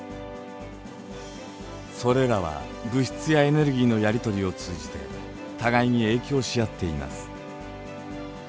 それらは物質やエネルギーのやり取りを通じて互いに影響し合っています。